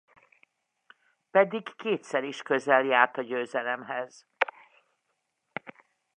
Pedig kétszer is igen közel járt a győzelemhez.